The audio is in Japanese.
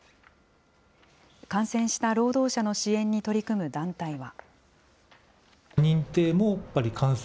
感染した労働者の支援に取り組む団体は。